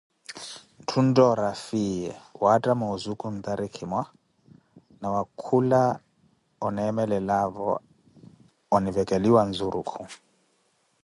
ntthu ontoori afiyiye, waattamo ozuku natarikumwa, na wa khula oneemelavo onivekhelowa nzurukhu.